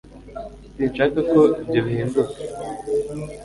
Sinshaka ko ibyo bihinduka